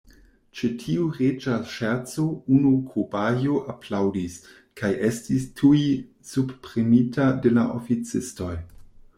Ĉe tiu reĝa ŝerco, unu kobajo aplaŭdis, kaj estis tuj subpremita de la oficistoj.